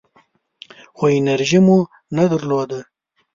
خو انرژي مو نه درلوده .